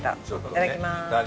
いただきます。